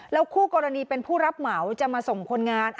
คู่กรณีเป็นผู้รับเหมาจะมาส่งคนงาน